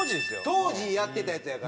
当時やってたやつやから。